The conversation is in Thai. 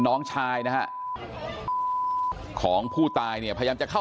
ต้องมาป้องกันเพื่อนมาปกป้องเพื่อน